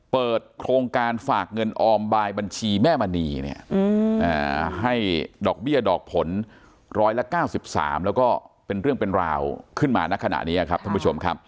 เปิดโครงการฝากเงินออมบายบัญชีแม่มณีเนี่ยให้ดอกเบี้ยดอกผล๑๙๓แล้วก็เป็นเรื่องเป็นราวขึ้นมาณขณะนี้ครับท่านผู้ชมครับ